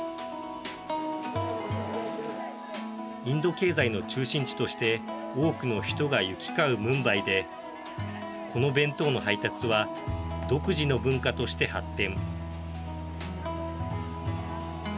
インド経済の中心地として多くの人が行き交うムンバイでこの弁当の配達は独自の文化として発展。